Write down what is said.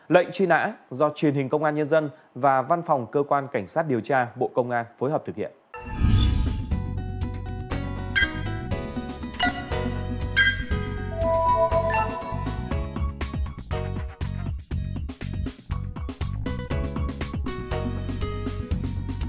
lệnh truy nã do truyền hình công an nhân dân và văn phòng cơ quan cảnh sát điều tra bộ công an phối hợp thực hiện